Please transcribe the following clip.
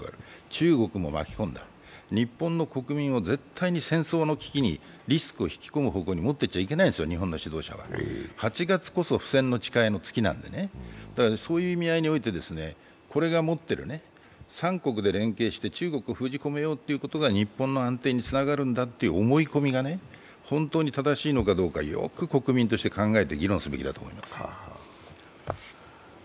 中国も巻き込んで日本の国民を絶対に戦争の危機に、リスクを引き込む方向に持っていっちゃいけないんですよ日本の主導者は、８月こそ不戦の誓いの月なので３国で連携して中国を封じ込めようということが日本の安定につながるんだという思い込みが本当に正しいのかよく議論すべきだと思います